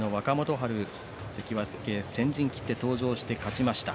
春関脇、先陣切って登場して勝ちました。